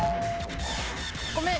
ごめん。